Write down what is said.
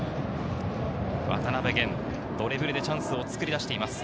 渡辺弦、ドリブルでチャンスを作り出しています。